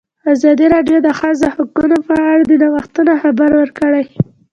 ازادي راډیو د د ښځو حقونه په اړه د نوښتونو خبر ورکړی.